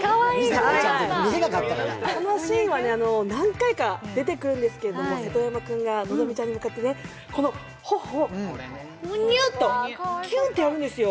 あのシーンは何回か出てくるんですけれども、瀬戸山君が希美ちゃんに向かって、頬をキュンってやるんですよ。